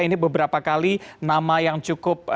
ini beberapa kali nama yang cukup